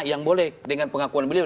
yang boleh dengan pengakuan beliau